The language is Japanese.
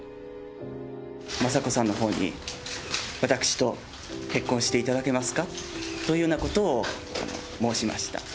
雅子さんのほうに、私と結婚していただけますか？というようなことを申しました。